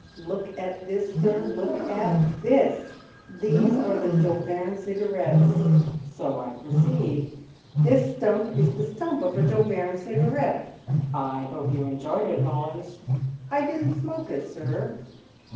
"Look at this, sir, look at this! These are the d'Auvergne Cigarettes!" "So I perceive." "This stump is the stump of a d'Auvergne Cigarette." "I hope you enjoyed it, Mullins." "I didn't smoke it, sir!"